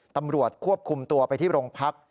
ตำรวจควบคุมตัวไปที่โรงพัก